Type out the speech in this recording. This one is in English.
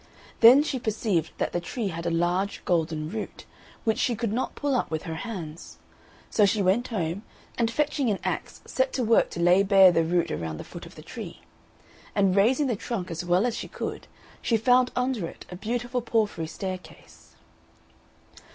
Then she perceived that the tree had a large golden root, which she could not pull up with her hands; so she went home, and fetching an axe set to work to lay bare the root around the foot of the tree; and raising the trunk as well as she could, she found under it a beautiful porphyry staircase.